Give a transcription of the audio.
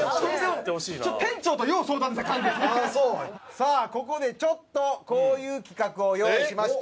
さあここでちょっとこういう企画を用意しました。